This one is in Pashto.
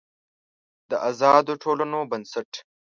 د آزادو ټولنو بنسټ